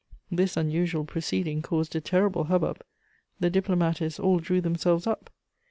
This unusual proceeding caused a terrible hubbub; the diplomatists all drew themselves up.